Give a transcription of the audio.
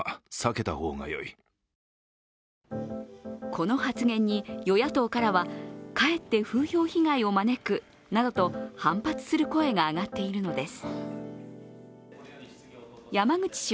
この発言に与野党からはかえって風評被害を招くなどと反発する声が上がっているのです。